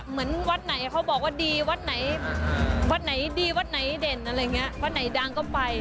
เหมือนวัดไหนเขาบอกว่าดีวัดไหนดีวัดไหนเด่นวัดไหนดังก็ไป